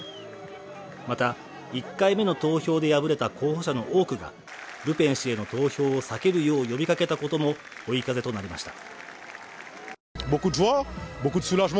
また１回目の投票で敗れた候補者の多くがルペン氏への投票を避けるよう呼びかけたことも追い風となりました